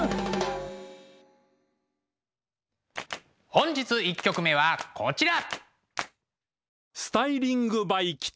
本日１曲目はこちら。